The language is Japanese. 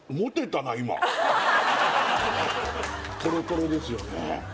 トロトロですよね